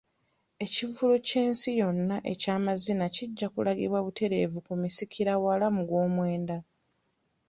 Ekivvulu ky'ensi yonna eky'amazina kijja kulagibwa butereevu ku misikira wala mu gwomwenda.